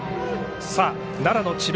奈良の智弁